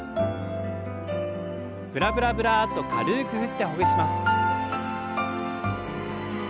ブラブラブラッと軽く振ってほぐします。